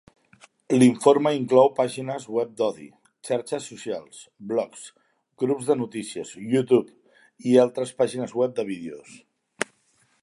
L'informe inclou pàgines web d'odi, xarxes socials, blogs, grups de notícies, YouTube i altres pàgines web de vídeos.